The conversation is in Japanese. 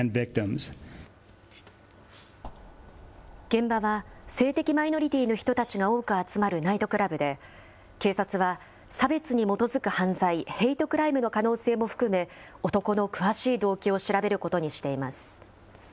現場は、性的マイノリティーの人たちが多く集まるナイトクラブで、警察は、差別に基づく犯罪、ヘイトクライムの可能性も含め、男の詳しい動機を調べることにしています。